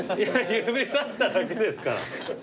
指さしただけですから。